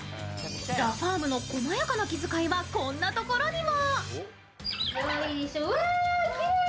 ＴＨＥＦＡＲＭの細やかな気遣いはこんなところにも。